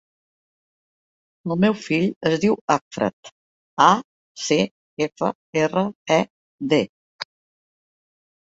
El meu fill es diu Acfred: a, ce, efa, erra, e, de.